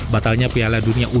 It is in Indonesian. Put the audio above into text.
batalnya piala dunia u dua puluh